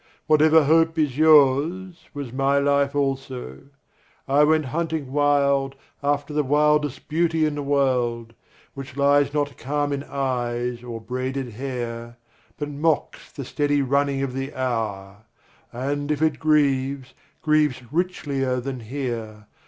Whatever hope is yours, Was my life also; I went hunting wild After the wildest beauty in the world, Which lies not calm in eyes, or braided hair, But mocks the steady running of the hour, And if it grieves, grieves richlier than here.